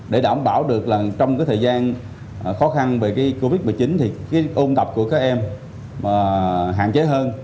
để đảm bảo được là trong cái thời gian khó khăn về cái covid một mươi chín thì cái ôn tập của các em hạn chế hơn